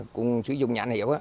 cùng sử dụng nhãn hiệu